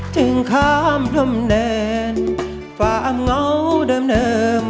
ถึงข้ามล้มเดินฝ้ามเหงาเดิมเนิ่ม